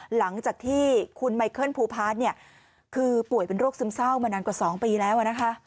หลังจากที่คุณไมเคิลภูพาร์ทคือป่วยเป็นโรคซึมเศร้ามานานกว่า๒ปีแล้วนะคะ